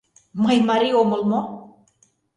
Мый марий омыл мо?